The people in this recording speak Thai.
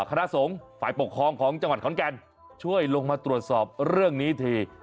คณะสงฆ์ฝ่ายปกครองของจังหวัดขอนแก่นช่วยลงมาตรวจสอบเรื่องนี้ที